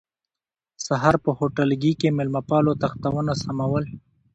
سهار په هوټلګي کې مېلمه پالو تختونه سمول.